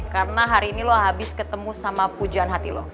karena hari ini lo abis ketemu sama pujaan hati lo